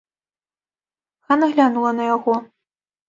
Хана глянула на яго.